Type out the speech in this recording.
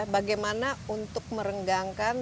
bagaimana untuk merenggangkan